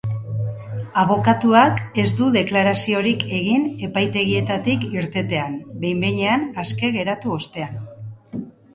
Abokatuak ez du deklaraziorik egin epaitegietatik irtetean, behin-behinean aske geratu ostean.